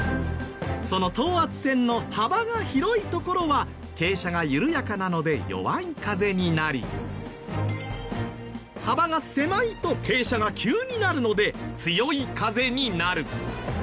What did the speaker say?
その等圧線の幅が広い所は傾斜が緩やかなので弱い風になり幅が狭いと傾斜が急になるので強い風になる。